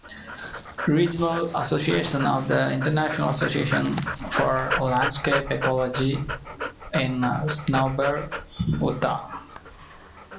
Regional Association of the International Association for Landscape Ecology in Snowbird, Utah.